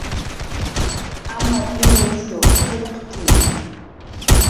Amur illush qillqt'ma